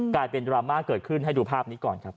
กลายเป็นดราม่าเกิดขึ้นให้ดูภาพนี้ก่อนครับ